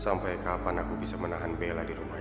sampai kapan aku bisa menahan bella di rumah